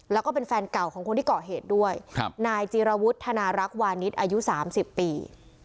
แล้วก็เป็นแฟนเก่าของคนที่เกาะเหตุด้วยนายจีรวุฒิธนารักษ์วานิสอายุ๓๐ปี